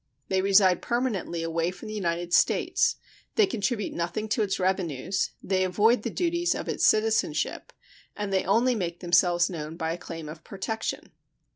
They reside permanently away from the United States, they contribute nothing to its revenues, they avoid the duties of its citizenship, and they only make themselves known by a claim of protection.